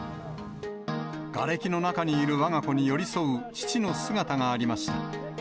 がれきの中にいるわが子に寄り添う父の姿がありました。